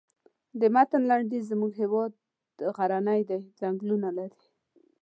د متن لنډیز زموږ هېواد غرنی دی ځنګلونه لري.